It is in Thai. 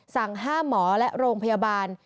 สั่งห้ามหมอและโรงพยาบาล